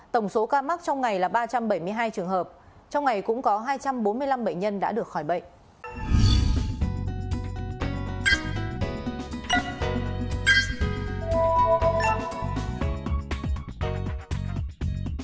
tổng số ca mắc trong ngày là ba trăm bảy mươi hai trường hợp trong ngày cũng có hai trăm bốn mươi năm bệnh nhân đã được khỏi bệnh